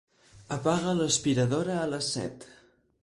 Apaga l'aspiradora a les set.